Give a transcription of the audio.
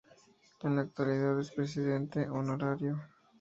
En la actualidad es Presidente Honorario.